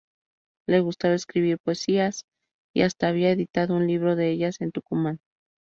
Le gustaba escribir poesías y hasta había editado un libro de ellas en Tucumán.